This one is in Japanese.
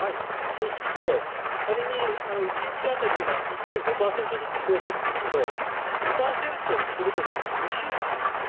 そうすると仮に１日当たり今１．５％ずつ増えているんですが２％にすると２週間ですね。